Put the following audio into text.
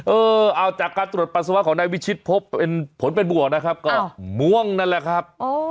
เออเอาจากการตรวจปัสสาวะของนายวิชิตพบเป็นผลเป็นบวกนะครับก็ม่วงนั่นแหละครับ